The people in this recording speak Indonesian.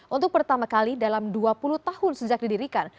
untuk pertama kali dalam dua puluh tahun sejak didirikan